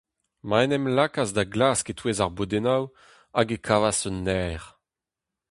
Ma em lakaas da glask e-touez ar bodennoù, hag e kavas un naer.